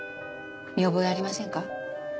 見覚えありませんか？